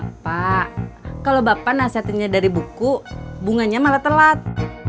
bapak kalau bapak nasihatinnya dari buku bunganya malah telat